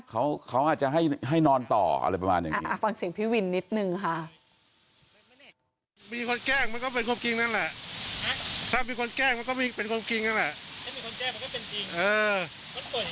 เขาเขาอาจจะให้นอนต่ออะไรประมาณอย่างนี้ฟังเสียงพี่วินนิดนึงค่ะ